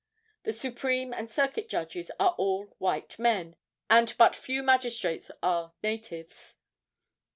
The Supreme and Circuit judges are all white men, and but few magistrates are natives.